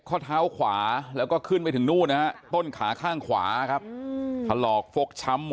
ติดเตียงได้ยินเสียงลูกสาวต้องโทรศัพท์ไปหาคนมาช่วย